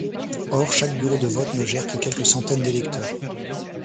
Or chaque bureau de vote ne gère que quelques centaines d'électeurs.